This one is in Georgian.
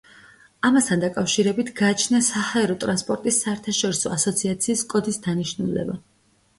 ამასთან დაკავშირებით გააჩნია საჰაერო ტრანსპორტის საერთაშორისო ასოციაციის კოდის დანიშნულება.